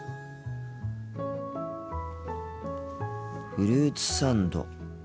フルーツサンド。